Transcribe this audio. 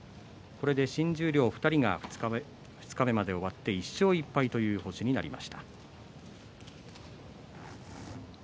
これで新十両２人が二日目まで終わって１勝１敗という成績になりました。